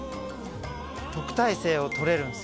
特待生を取れるんですよ。